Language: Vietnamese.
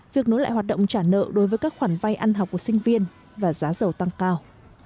việc nối lại hoạt động trả nợ đối với các khoản vay ăn học của sinh viên và giá dầu tăng cao